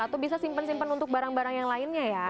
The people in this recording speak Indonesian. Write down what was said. atau bisa simpen simpen untuk barang barang yang lainnya ya